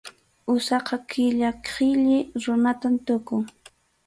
Usaqa qilla qhilli runatam tukun.